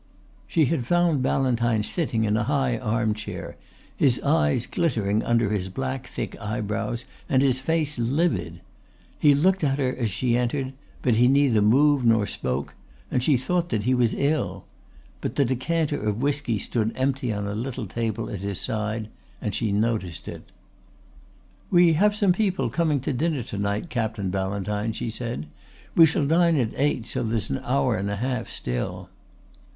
She had found Ballantyne sitting in a high arm chair, his eyes glittering under his black thick eyebrows and his face livid. He looked at her as she entered, but he neither moved nor spoke, and she thought that he was ill. But the decanter of whisky stood empty on a little table at his side and she noticed it. "We have some people coming to dinner to night, Captain Ballantyne," she said. "We shall dine at eight, so there's an hour and a half still."